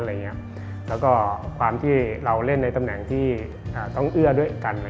แล้วก็ความที่เราเล่นในตำแหน่งที่ต้องเอื้อด้วยกัน